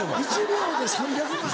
１秒で３００枚。